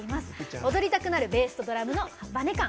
踊りたくなるベースとドラムのバネ感。